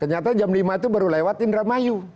ternyata jam lima itu baru lewat indramayu